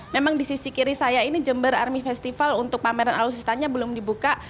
memang di sisi kiri saya ini jember army festival untuk pameran alutsistanya belum dibuka